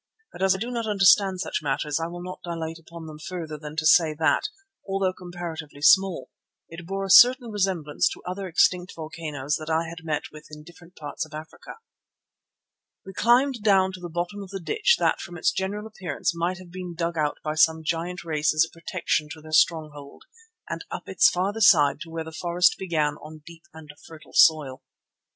But as I do not understand such matters I will not dilate upon them further than to say that, although comparatively small, it bore a certain resemblance to other extinct volcanoes which I had met with in different parts of Africa. We climbed down to the bottom of the ditch that from its general appearance might have been dug out by some giant race as a protection to their stronghold, and up its farther side to where the forest began on deep and fertile soil.